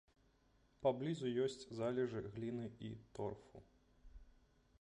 Паблізу ёсць залежы гліны і торфу.